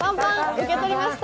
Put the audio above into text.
受け取りました。